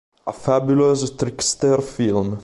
A fabulous trickster film.